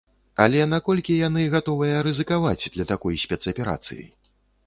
Але наколькі яны гатовыя рызыкаваць для такой спецаперацыі?